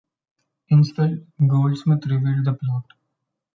Instead, Goldsmith revealed the plot.